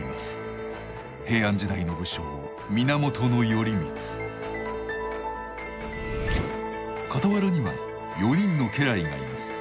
平安時代の武将傍らには４人の家来がいます。